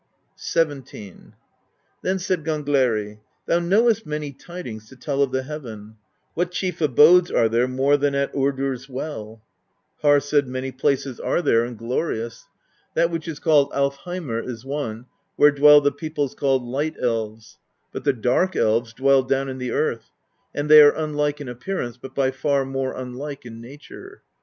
XVII. Then said Gangleri: "Thou knowest many tidings to tell of the heaven. What chief abodes are there more than at Urdr's Well?" Harr said: "Many places are there, THE BEGUILING OF GYLFI 31 and glorious. That which is called Alfheimr' is one, where dwell the peoples called Light Elves; but the Dark Elves dwell down in the earth, and they are unlike in appearance, but by far more unlike in nature.